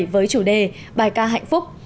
với chủ đề bài ca hạnh phúc